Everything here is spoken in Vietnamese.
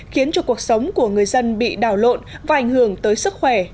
khiến cho cuộc sống của người dân bị đảo lộn và ảnh hưởng tới sức khỏe